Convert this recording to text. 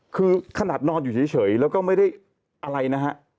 คือขนาดนอนอยู่เฉยแล้วก็ไม่ได้อะไรนะฮะ